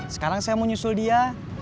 sekarang saya mau nyusul dia